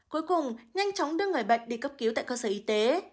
cuối cùng nhanh chóng đưa người bệnh đi cấp cứu tại cơ sở y tế